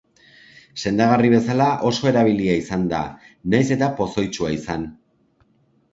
Sendagarri bezala oso erabilia izan da, nahiz eta pozoitsua izan.